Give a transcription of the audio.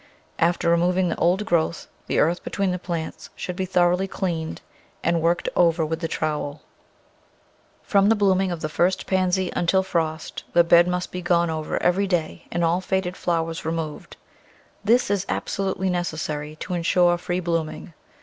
After removing the old growth the earth between the plants should be thoroughly cleaned and worked over with the trowel. Digitized by Google n6 "The Flower Garden [Chapter From the blooming of the first Pansy until frost the bed must be gone over every day and all faded flowers removed. This is absolutely necessary to insure free blooming.